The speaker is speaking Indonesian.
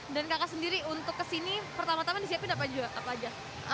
anaknya dan kakak sendiri untuk ke sini pertama tama disiapkan apa aja